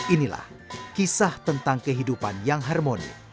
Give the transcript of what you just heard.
inilah kisah tentang kehidupan yang harmoni